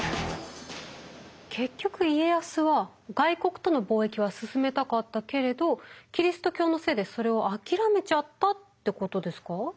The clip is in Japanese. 結局家康は外国との貿易は進めたかったけれどキリスト教のせいでそれを諦めちゃったってことですか？